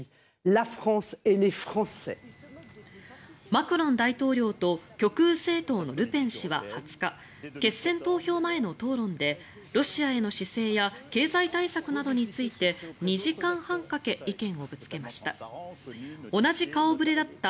マクロン大統領と極右政党のルペン氏は２０日決選投票前の討論でロシアへの姿勢や経済対策などについて２時間半かけ意見をぶつけました。